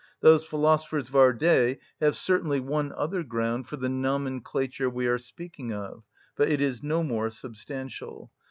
Those philosophers of our day have certainly one other ground for the nomenclature we are speaking of, but it is no more substantial.